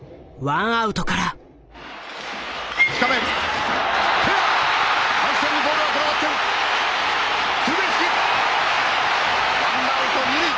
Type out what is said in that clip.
ワンアウト二塁。